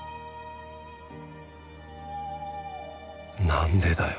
何でだよ